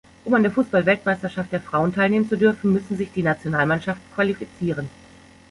Um an der Fußball-Weltmeisterschaft der Frauen teilnehmen zu dürfen, müssen sich die Nationalmannschaften qualifizieren.